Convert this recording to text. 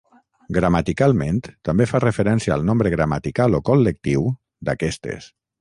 Gramaticalment, també fa referència al nombre gramatical o col·lectiu d'aquestes.